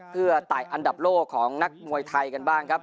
เพื่อไต่อันดับโลกของนักมวยไทยกันบ้างครับ